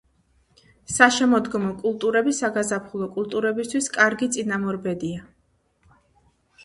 საშემოდგომო კულტურები საგაზაფხულო კულტურებისათვის კარგი წინამორბედია.